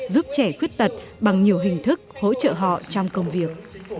giúp trẻ khuyết tật bằng nhiều hình thức hỗ trợ họ trong công việc